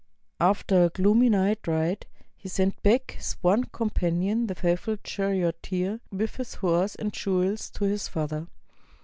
After a gloomy night ride, he sent back his one companion, the faithful charioteer, with his horse and jewels to his father.